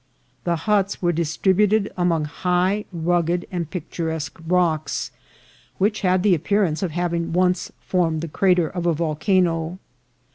The huts were distributed among high, rugged, and pictu resque rocks, which had the appearance of having once formed the crater of a volcano.